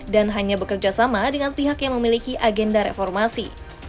dan hanya bekerja sama dengan pihak yang memiliki agenda reformasi